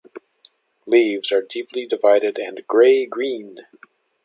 Leaves are deeply divided and grey-green.